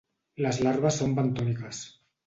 Les larves són bentòniques.